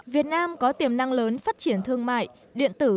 việt nam có tiềm năng lớn phát triển thương mại điện tử